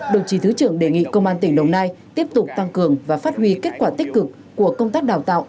đồng chí thứ trưởng đề nghị công an tỉnh đồng nai tiếp tục tăng cường và phát huy kết quả tích cực của công tác đào tạo